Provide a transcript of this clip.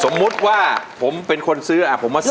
สมมุติว่าผมเป็นคนซื้อผมมาซื้อ